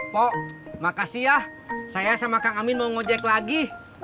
po makasih ya saya sama kang amin mau ngejek lagi